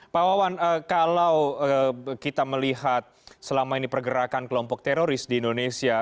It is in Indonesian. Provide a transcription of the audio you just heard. pak wawan kalau kita melihat selama ini pergerakan kelompok teroris di indonesia